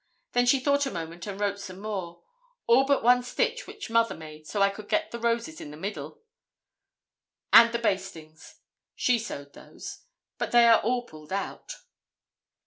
Then she thought a moment and wrote some more: "All but one stitch which Mother made so I could get the roses in the middle. And the bastings. She sewed those, but they are all pulled out."